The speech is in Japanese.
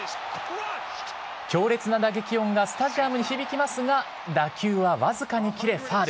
強烈な打撃音がスタジアムに響きますが、打球は僅かに切れ、ファウル。